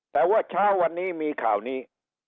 แต่ว่าเช้าวันนี้มีข่าวนี้